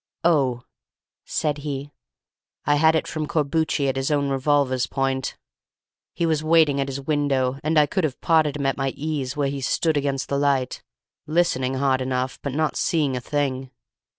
"Oh," said he, "I had it from Corbucci at his own revolver's point. He was waiting at his window, and I could have potted him at my ease where he stood against the light listening hard enough but not seeing a thing.